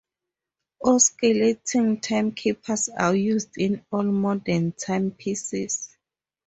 Oscillating timekeepers are used in all modern timepieces.